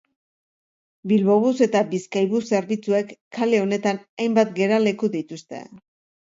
Bilbobus eta Bizkaibus zerbitzuek kale honetan hainbat geraleku dituzte.